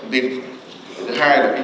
thì có chất lượng thông tin